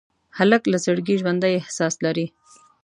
هلک له زړګي ژوندي احساس لري.